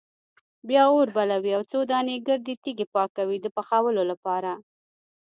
بیا اور بلوي او څو دانې ګردې تیږې پاکوي د پخولو لپاره.